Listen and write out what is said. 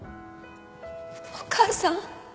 お母さん！？